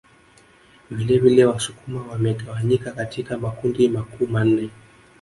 Vilevile Wasukuma wamegawanyika katika makundi makuu manne